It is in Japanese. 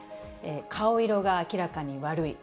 顔色が明らかに悪い。